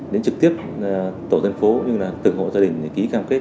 đến trực tiếp tổ dân phố nhưng là từng hộ gia đình ký cam kết